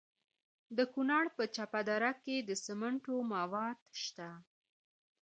د کونړ په چپه دره کې د سمنټو مواد شته.